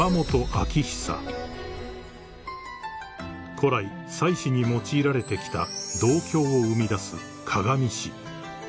［古来祭祀に用いられてきた銅鏡を生みだす鏡師］